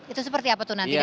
itu seperti apa tuh nanti